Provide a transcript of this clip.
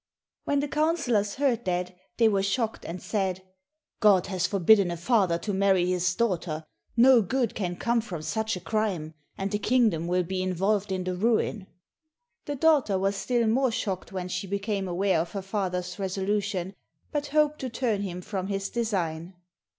When the councillors heard that, they were shocked, and said, "God has forbidden a father to marry his daughter, no good can come from such a crime, and the kingdom will be involved in the ruin." The daughter was still more shocked when she became aware of her father's resolution, but hoped to turn him from his design.